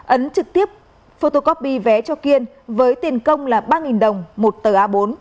ấn trực tiếp fortocopy vé cho kiên với tiền công là ba đồng một tờ a bốn